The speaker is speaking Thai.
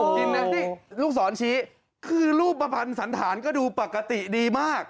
นี่ลูกศรชี้คือรูปประมันสันฐานก็ดูปกติดีมาก